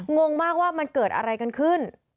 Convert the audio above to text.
งงมากว่ามันเกิดอะไรกันขึ้น